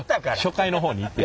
初回の方に行った。